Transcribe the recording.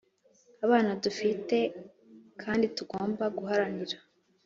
abana dufite kandi tugomba guharanira.